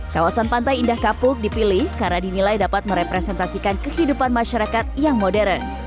kawasan pantai indah kapuk dipilih karena dinilai dapat merepresentasikan kehidupan masyarakat yang modern